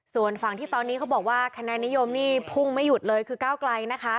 ส่วนฟังที่ตอนนี้เขาบอกว่าคณะนิยมพุ่งไม่หยุดเลยคือเก้าไกล